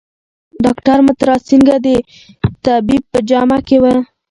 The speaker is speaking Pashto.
ډاکټر مترا سینګه د طبیب په جامه کې و.